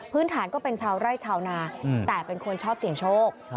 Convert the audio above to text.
ฐานก็เป็นชาวไร่ชาวนาแต่เป็นคนชอบเสี่ยงโชค